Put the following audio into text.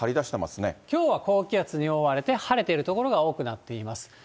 きょうは高気圧に覆われて、晴れている所が多くなっています。